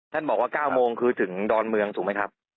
ท่านบอกว่า๙โมงคือถึงดอนเมืองถูกไหมครับ